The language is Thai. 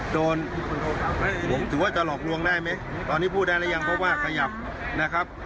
โดนผมถือว่าจะหลอกลวงได้ไหมตอนนี้พูดได้หรือยังเพราะว่าขยับนะครับ